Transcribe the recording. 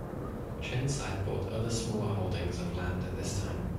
Chirnside bought other smaller holdings of land at this time.